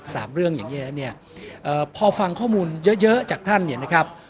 สามเรื่องอย่างนี้พอฟังข้อมูลเยอะจากท่านเนี่ยนะครับ